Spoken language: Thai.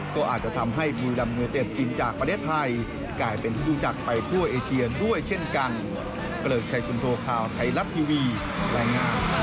ก็อาจจะทำให้บุรีลำเงียเต็ดทีมจากประเทศไทย